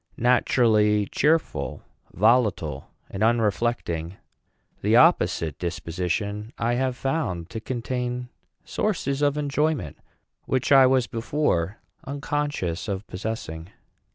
Naturally cheerful, volatile, and unreflecting, the opposite disposition I have found to contain sources of enjoyment which I was before unconscious of possessing.